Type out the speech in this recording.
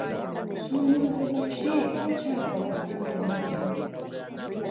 Kusoomozebwa ki abakyala kwe basanga ennaku zino?